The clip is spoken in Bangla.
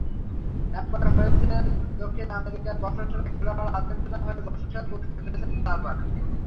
একবার হয়েছেন দক্ষিণ আমেরিকার বর্ষসেরা খেলোয়াড়, আর্জেন্টিনার হয়ে বর্ষসেরার পুরস্কার পেয়েছেন চারবার।